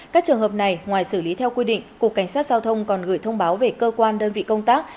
các trường hợp này ngoài xử lý theo quy định cục cảnh sát giao thông còn gửi thông báo về cơ quan đơn vị công tác